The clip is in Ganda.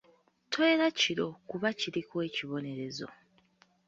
Toyera kiro kuba kiriko ekibonerezo.